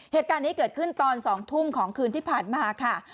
เหตุการณ์นี้เกิดขึ้นตอน๒ทุ่มของคืนที่ผ่านมาค่ะ